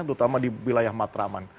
terutama di wilayah matraman